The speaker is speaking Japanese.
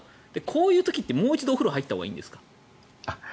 こういう時ってもう一度お風呂に入ったほうがいいんですか？